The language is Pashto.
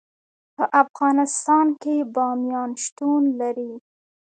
په افغانستان کې بامیان شتون لري.